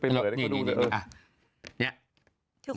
โอเอาละเนี่ย